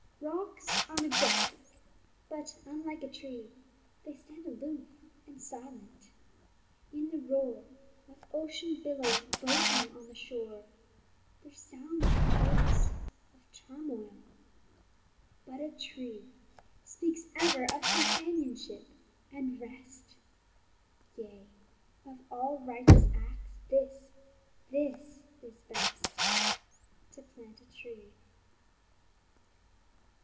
Rocks are majestic; but, unlike a tree, They stand aloof, and silent. In the roar Of ocean billows breaking on the shore There sounds the voice of turmoil. But a tree Speaks ever of companionship and rest. Yea, of all righteous acts, this, this is best, To plant a tree.